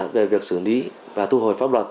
về việc xử lý và thu hồi pháp luật